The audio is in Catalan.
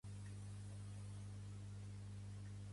Quin augment de vots ha guanyat Oscar Matute?